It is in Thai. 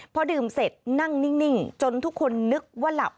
พอดื่มเสร็จนั่งนิ่งจนทุกคนนึกว่าหลับ